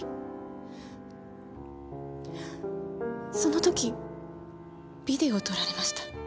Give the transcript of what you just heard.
その時ビデオを撮られました。